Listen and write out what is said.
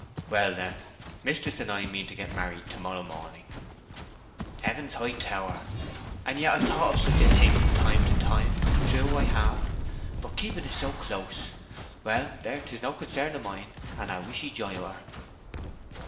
Well, then, mistress and I mean to get married to morrow morning." "Heaven's high tower! And yet I've thought of such a thing from time to time; true, I have. But keeping it so close! Well, there, 'tis no consarn of of mine, and I wish 'ee joy o' her."